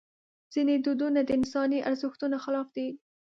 ځینې دودونه د انساني ارزښتونو خلاف دي.